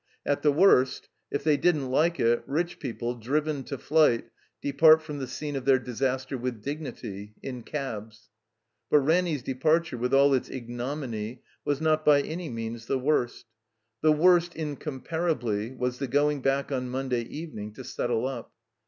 At the worst, if they didn't Uke it, rich people, driven to flight, depart from the scene of their disaster with dignity, in cabs. But Raimy's departiu e, with all its ignominy, was not by any means the worst. The worst, incom parably, was the going back on Monday evening to settle up.